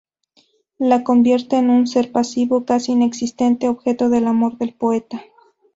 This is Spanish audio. La convierte en un ser pasivo, casi inexistente, objeto del amor del poeta.